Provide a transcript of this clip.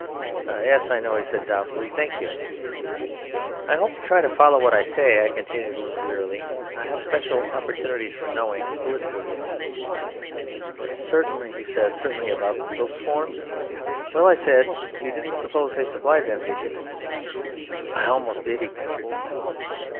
"Yes, I know," he said doubtfully; "thank you." "I hope you'll try and follow what I say," I continued a little wearily; "I have special opportunities for knowing.... Political, you know." "Certainly," he said, "certainly; but about those forms?" "Well," I said, "you didn't suppose they supplied them, did you?" "I almost did," he ventured.